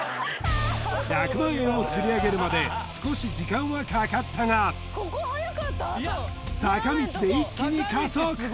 １００万円をつり上げるまで少し時間はかかったが坂道で一気に加速